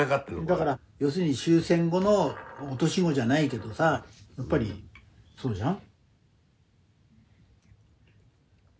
だから要するに終戦後の落とし子じゃないけどさやっぱりそうじゃん？